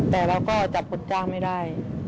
แต่เราก็จับคนจ้างไม่ได้